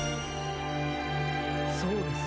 そうですね。